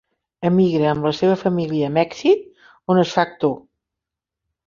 Emigra amb la seva família a Mèxic on es fa actor.